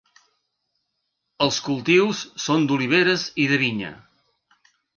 Els cultius són d'oliveres i de vinya.